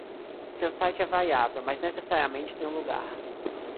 Seu site é variável, mas necessariamente tem um lugar.